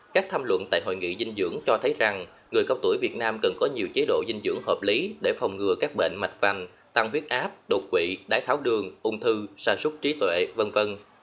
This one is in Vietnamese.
các tham luận tại hội nghị dinh dưỡng cho thấy rằng người cao tuổi việt nam cần có nhiều chế độ dinh dưỡng hợp lý để phòng ngừa các bệnh mạch vành tăng huyết áp đột quỵ đái tháo đường ung thư xa súc trí tuệ v v